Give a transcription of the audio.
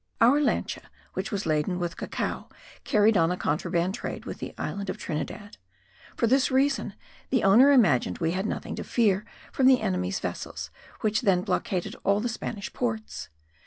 Our lancha, which was laden with cacao, carried on a contraband trade with the island of Trinidad. For this reason the owner imagined we had nothing to fear from the enemy's vessels, which then blockaded all the Spanish ports.